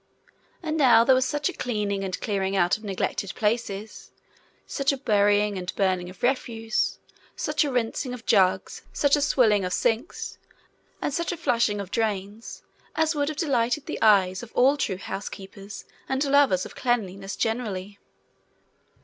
And now there was such a cleaning and clearing out of neglected places, such a burying and burning of refuse, such a rinsing of jugs, such a swilling of sinks, and such a flushing of drains as would have delighted the eyes of all true housekeepers and lovers of cleanliness generally.